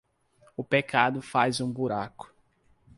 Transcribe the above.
O pecado faz um buraco